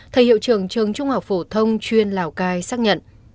thầy hiệu trưởng trường trung học phổ thông chuyên lào cai xác nhận